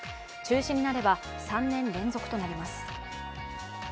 中止になれば、３年連続となります。